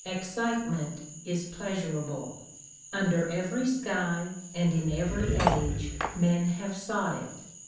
Excitement is pleasurable. Under every sky, and in every age, men have sought it.